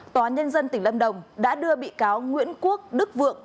tòa nhân dân tỉnh lâm đồng đã đưa bị cáo nguyễn quốc đức vượng